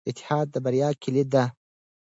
اتحاد د بریا کیلي ده.